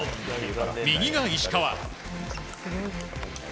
右が石川。